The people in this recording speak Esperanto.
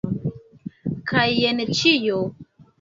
Kaj jen ĉio.